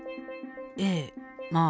ええまあ。